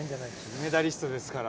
メダリストですから。